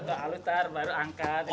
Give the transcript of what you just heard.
iya harus halus baru angkat